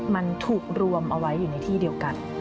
มันถูกรวมเอาไว้อยู่ในที่เดียวกัน